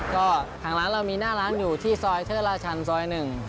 ก็ทางร้านเรามีหน้าร้านอยู่ที่ซอยเทิดราชันซอย๑